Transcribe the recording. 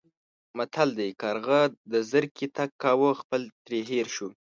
متل دی: کارغه د زرکې تګ کاوه خپل ترې هېر شو.